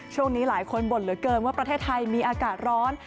ช่วงนี้หลายคนบ่นเหลือเกินว่าประเทศไทยมีอากาศร้อน